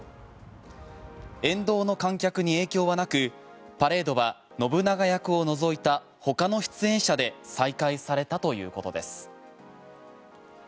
沿道の観客に影響はなくパレードは信長役を除いたほかの出演者で再開されたということです。